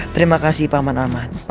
terima kasih juga jexist